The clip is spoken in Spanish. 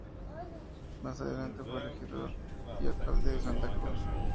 Más adelante, fue regidor y alcalde de Santa Cruz.